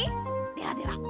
ではでは。